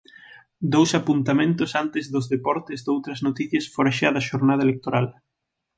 Dous apuntamentos antes dos deportes doutras noticias fora xa da xornada electoral.